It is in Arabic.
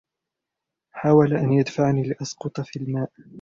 حاول أن يدفعني لأسقط في الماء.